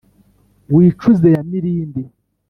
Wicuze ya Mirindi,